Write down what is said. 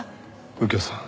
右京さん